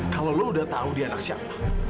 kalau lo udah tahu dia anak siapa